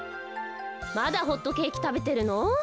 まだホットケーキたべてるの？